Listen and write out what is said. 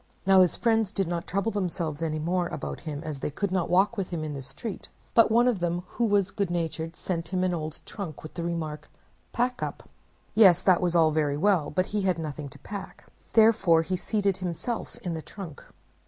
Now his friends did not trouble themselves any more about him as they could not walk with him in the street, but one of them, who was good natured, sent him an old trunk, with the remark: "Pack up!" Yes, that was all very well, but he had nothing to pack, therefore he seated himself in the trunk.